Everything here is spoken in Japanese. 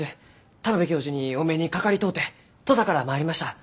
田邊教授にお目にかかりとうて土佐から参りました。